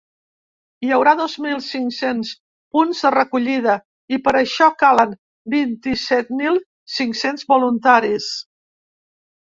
Hi haurà dos mil cinc-cents punts de recollida i per això calen vint-i-set mil cinc-cents voluntaris.